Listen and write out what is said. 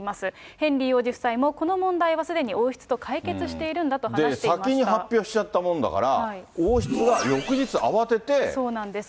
ヘンリー王子夫妻も、この問題はすでに王室と解決しているんだと先に発表しちゃったもんだかそうなんです。